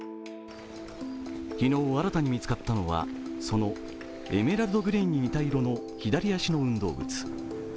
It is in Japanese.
昨日新たに見つかったのはそのエメラルドグリーンに似た色の左足の運動靴。